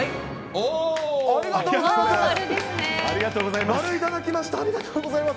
おー、ありがとうございます。